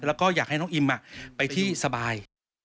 แล้วก็อยากให้น้องอิมไปที่สบาย